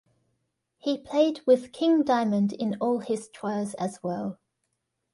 He played with King Diamond in all his tours as well.